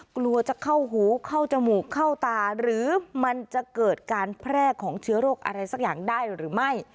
กลัวจะเข้าหูเข้าจมูกเข้าตาหรือมันจะเกิดการแพร่ของเชื้อโรคอะไรสักอย่างได้หรือไม่